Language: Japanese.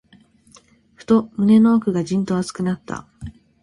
ふと、胸の奥がじんと熱くなった。